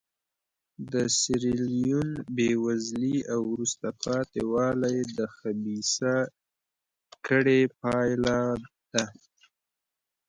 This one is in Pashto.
د سیریلیون بېوزلي او وروسته پاتې والی د خبیثه کړۍ پایله ده.